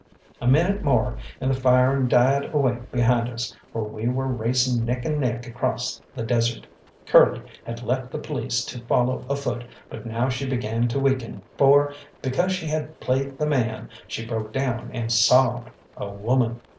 A minute more, and the firing died away behind us, for we were racing neck and neck across the desert. Curly had left the police to follow afoot, but now she began to weaken, for, because she had played the man, she broke down and sobbed a woman.